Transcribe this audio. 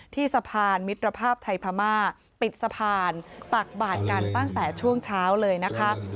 ที่สะพานมิตรภาพไทยพม่าปิดสะพานตักบาดกันตั้งแต่ช่วงเช้าเลยนะคะ